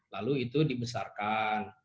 lalu itu dibesarkan